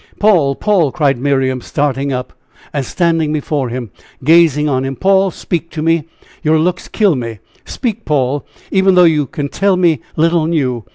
"Paul! Paul!" cried Miriam, starting up, standing before him, gazing on him. "Paul! speak to me. Your looks kill me. Speak, Paul! even though you can tell me little new.